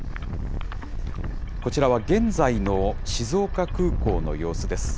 こちらは現在の静岡空港の様子です。